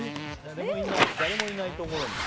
誰もいないところに。